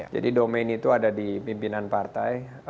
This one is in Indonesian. jadi domain itu ada di pimpinan partai